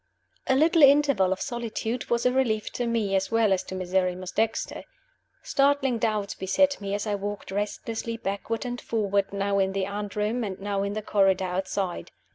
A LITTLE interval of solitude was a relief to me, as well as to Miserrimus Dexter. Startling doubts beset me as I walked restlessly backward and forward, now in the anteroom, and now in the corridor outside.